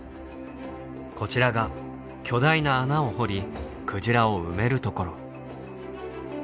こちらが巨大な穴を掘りクジラを埋めるところ。